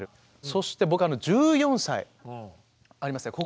そして僕あの１４歳ありますね